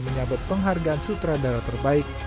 menyabet penghargaan sutradara terbaik